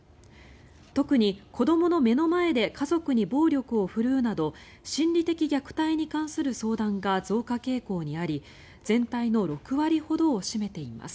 特に、子どもの目の前で家族に暴力を振るうなど心理的虐待に関する相談が増加傾向にあり全体の６割ほどを占めています。